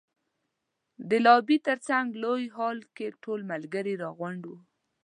د لابي تر څنګ لوی هال کې ټول ملګري را غونډ وو.